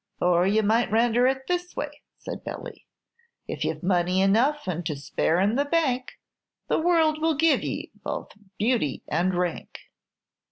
"Or ye might render it this way," said Billy, "If ye 've money enough and to spare in the bank, The world will give ye both beauty and rank.